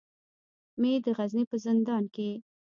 مې د غزني په زندان کې.